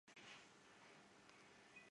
其父按浑察至顺元年薨。